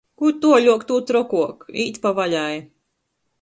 Kū tuoļok, tū trokuok, īt pa vaļai!